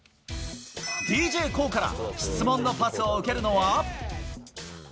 ＤＪＫＯＯから質問のパスを受けるのは。